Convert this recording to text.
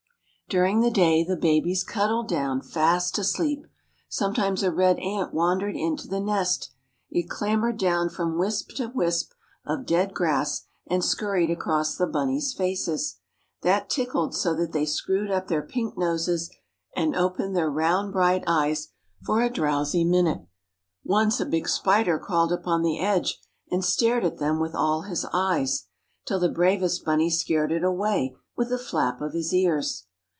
During the day the babies cuddled down fast asleep. Sometimes a red ant wandered into the nest. It clambered down from wisp to wisp of dead grass and scurried across the bunnies' faces. That tickled so that they screwed up their pink noses and opened their round bright eyes for a drowsy minute. Once a big spider crawled upon the edge and stared at them with all its eyes, till the bravest bunny scared it away with a flap of his ears.